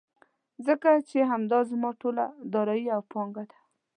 ځکه چې همدا زما ټوله دارايي او پانګه ده.